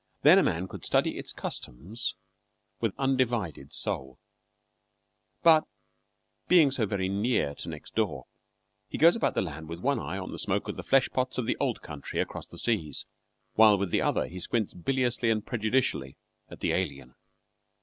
Then a man could study its customs with undivided soul; but being so very near next door, he goes about the land with one eye on the smoke of the flesh pots of the old country across the seas, while with the other he squints biliously and prejudicially at the alien.